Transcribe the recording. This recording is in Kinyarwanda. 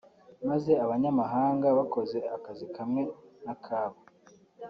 maze abanyamahanga bakoze akazi kamwe n’akabo